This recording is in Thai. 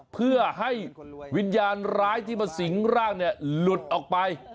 เพื่อให้วิญญาณร้ายที่มาสิงร่างหลุดออกไป